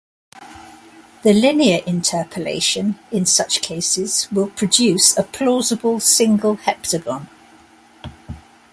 The linear interpolation in such cases will produce a plausible single heptagon.